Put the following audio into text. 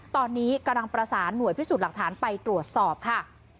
ตอนนี้กำลังประสานหน่วยพิสูจน์หลักฐานไปตรวจสอบค่ะ